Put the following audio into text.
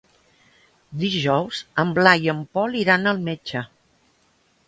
Dijous en Blai i en Pol iran al metge.